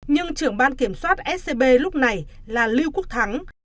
nhưng trưởng ban kiểm soát scb lúc này là lưu quốc thắng